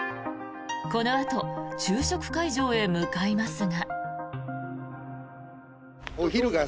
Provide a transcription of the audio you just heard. このあと昼食会場へ向かいますが。